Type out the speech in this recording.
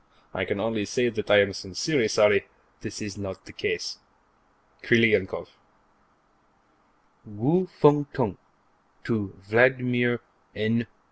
I can only say that I am sincerely sorry that this is not the case. Krylenkoff _Wu Fung Tung to Vladmir N.